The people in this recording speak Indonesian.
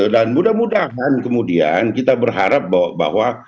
dan mudah mudahan kemudian kita berharap bahwa